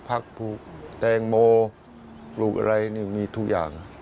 ผักปลูกแตงโมปลูกอะไรนี่มีทุกอย่าง